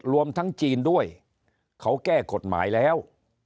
รวมทั้งจีนด้วยเขาแก้กฎหมายแล้ว